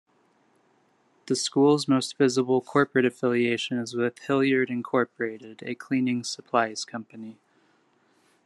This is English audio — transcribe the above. The school's most visible corporate affiliation is with Hillyard, Incorporated a cleaning supplies company.